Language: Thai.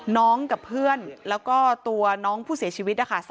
กับเพื่อนแล้วก็ตัวน้องผู้เสียชีวิตนะคะ